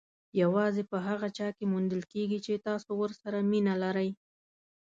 یوازې په هغه چا کې موندل کېږي چې تاسو ورسره مینه لرئ.